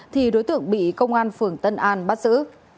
thì đối tượng bị công an phường tân an bắt giữ